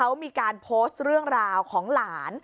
เขามีการโพสต์เรื่องราวของหลาน